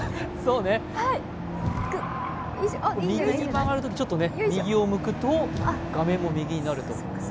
右に曲がるとき、ちょっと右を向くと画面も右になると。